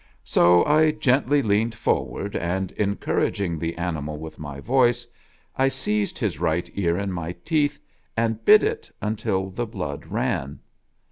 So I gently leaned forward, and, encouraging the animal with my voice, I seized his right ear in my teeth, and bit it until the blood ran.